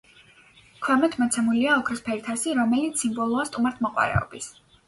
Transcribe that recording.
ქვემოთ მოცემულია ოქროსფერი თასი, რომელიც სიმბოლოა სტუმართმოყვარეობის.